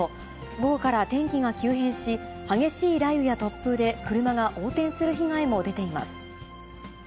午後から天気が急変し、激しい雷雨や突風で、車が横転する被害も出ています。